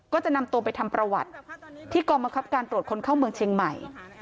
ก็จะนำตัวไปทำประวัติที่กองบังคับการตรวจคนเข้าเมืองเชียงใหม่